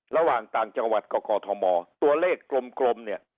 ระหว่างต่างจังหวัดกับกอทมตัวเลขกลมเนี่ย